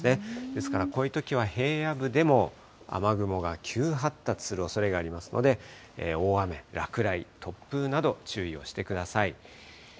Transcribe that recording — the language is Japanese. ですから、こういうときは平野部でも雨雲が急発達するおそれがありますので、大雨、落雷、突風など注意をしてください。